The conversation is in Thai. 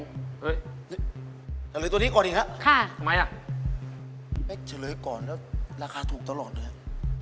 เฉลยตัวนี้ก่อนอีกฮะทำไมอ่ะเป๊กเฉลยก่อนแล้วราคาถูกตลอดเลยฮะ